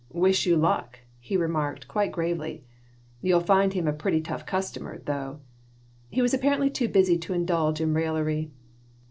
Wish you luck," he remarked, quite gravely. "You'll find him a pretty tough customer, though." He was apparently too busy to indulge in raillery.